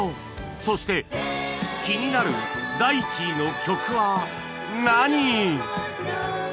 そして気になる第１位の曲は何？